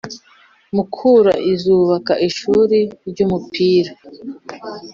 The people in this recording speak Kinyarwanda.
mukura izubaka ishuri ry’umupira